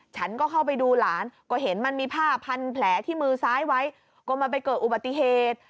ฉันก็เข้าไปดูหลานก็เห็นมันมีผ้าพันแผลที่มือซ้ายไว้ก็มันไปเกิดอุบัติเหตุ